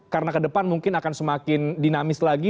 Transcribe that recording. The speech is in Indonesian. karena ke depan mungkin akan semakin dinamis lagi